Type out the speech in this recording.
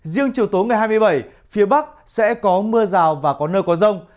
riêng chiều tối ngày hai mươi bảy phía bắc sẽ có mưa rào và có nơi có rông